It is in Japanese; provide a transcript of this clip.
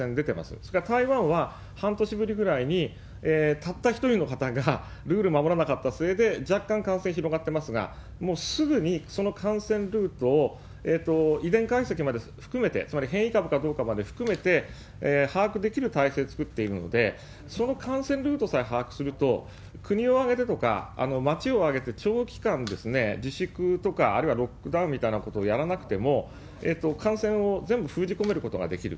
それから台湾は半年ぶりぐらいに、たった一人の方がルール守らなかったせいで、若干感染広がってますが、もうすぐにその感染ルートを遺伝解析まで含めて、つまり変異株かどうかまで含めて把握できる体制を作っているので、その感染ルートさえ把握すると、国を挙げてとか、町を挙げて長期間自粛とか、あるいはロックダウンみたいなことをやらなくても、感染を全部封じ込めることができる。